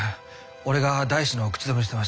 俺が大志の口止めしてました。